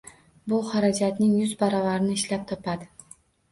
Bu xarajatning yuz baravarini ishlab topadi.